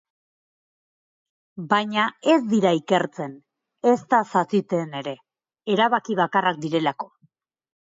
Baina ez dira ikertzen, ezta zatitzen ere, erabaki bakarrak direlako.